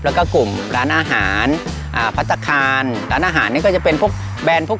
แล้วก็กลุ่มร้านอาหารอ่าพัฒนาคารร้านอาหารนี่ก็จะเป็นพวกแบรนด์พวก